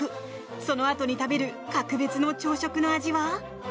そのあとに食べる格別の朝食の味は？